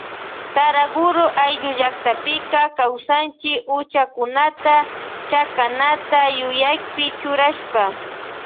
Saraguro ayllu llaktapika kawsachin huchakunata chakanata yuyaypi churashpa.